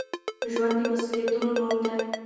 ژوند د مسؤليتونو نوم دی.